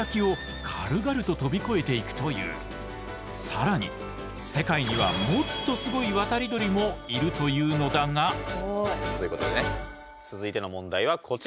更に世界にはもっとすごい渡り鳥もいるというのだが。ということでね続いての問題はこちらです！